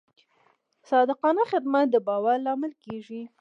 صادقانه خدمت د باور لامل کېږي.